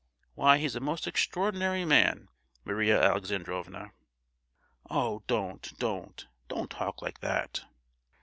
Why, he's a most extraordinary man, Maria Alexandrovna." "Oh don't, don't! Don't talk like that!"